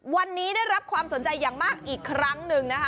วันนี้ได้รับความสนใจอย่างมากอีกครั้งหนึ่งนะคะ